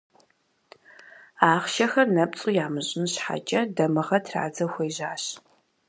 Ахъшэхэр нэпцӏу ямыщӏын щхьэкӏэ, дамыгъэ традзэу хуежьащ.